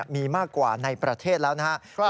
มีมากกว่าในประเทศแล้วนะครับ